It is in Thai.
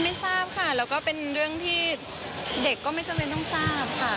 ไม่ทราบค่ะแล้วก็เป็นเรื่องที่เด็กก็ไม่จำเป็นต้องทราบค่ะ